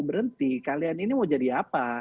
berhenti kalian ini mau jadi apa